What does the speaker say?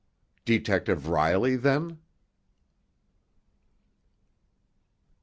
Detective Riley, then?